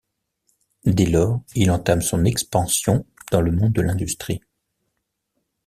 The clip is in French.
Dès lors, il entame son expansion dans le monde de l'industrie.